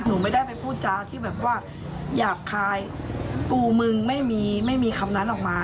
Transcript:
หนูไม่ได้ไปพูดจาที่แบบว่าหยาบคายกูมึงไม่มีไม่มีคำนั้นออกมา